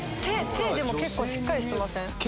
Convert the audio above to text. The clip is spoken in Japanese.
手結構しっかりしてません？